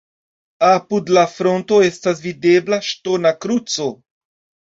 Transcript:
Apud la fronto estas videbla ŝtona kruco.